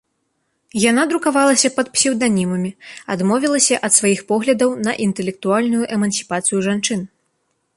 Яна друкавалася пад псеўданімамі, адмовілася ад сваіх поглядаў на інтэлектуальную эмансіпацыю жанчын.